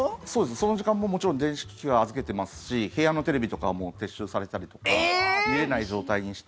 その時間ももちろん電子機器は預けてますし部屋のテレビとかはもう撤収されたりとか見れない状態にして。